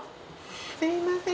すいません